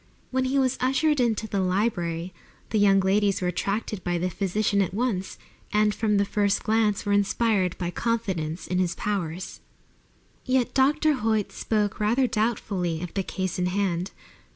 When he was ushered into the library the young ladies were attracted by the physician at once, and from the first glance were inspired by confidence in his powers. Yet Dr. Hoyt spoke rather doubtfully of the case in hand.